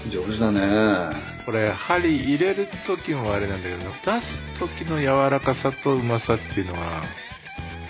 これ針を入れる時もあれだけど出す時の柔らかさとうまさというのは。